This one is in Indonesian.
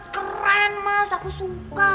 keren mas aku suka